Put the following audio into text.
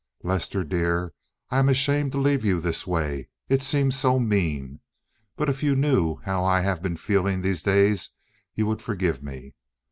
"Lester, dear, I am ashamed to leave you this way; it seems so mean, but if you knew how I have been feeling these days you would forgive me.